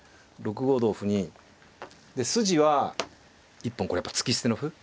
６五同歩にで筋は一本これやっぱ突き捨ての歩。